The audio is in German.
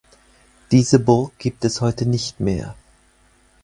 Diese Burg gibt es heute nicht mehr.